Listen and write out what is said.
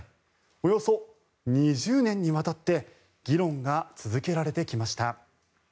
およそ２０年にわたって議論が続けられてきました。